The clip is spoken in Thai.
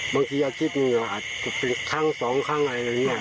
บางทีอาทิตย์หนึ่งอาจจะเป็นครั้งสองครั้งอะไรอย่างนี้